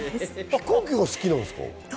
飛行機が好きなんですか？